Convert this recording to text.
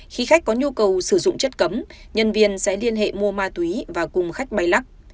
khi khách có nhu cầu sử dụng chất cấm nhân viên sẽ liên hệ mua ma túy và cùng khách bay lắc